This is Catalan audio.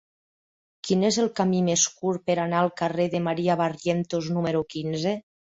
Quin és el camí més curt per anar al carrer de Maria Barrientos número quinze?